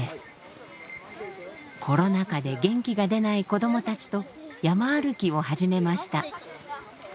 コロナ禍で元気が出ない子供たちと山歩きを始めました。